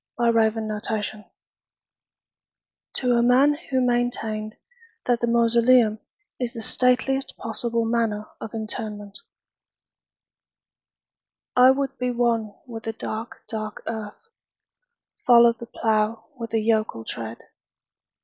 The Traveller heart (To a Man who maintained that the Mausoleum is the Stateliest Possible Manner of Interment) I would be one with the dark, dark earth:— Follow the plough with a yokel tread.